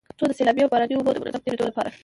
څو د سيلابي او باراني اوبو د منظم تېرېدو لپاره